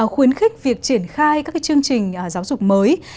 khuyến khích việc triển khai các chương trình giáo dục mới